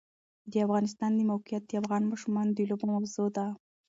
د افغانستان د موقعیت د افغان ماشومانو د لوبو موضوع ده.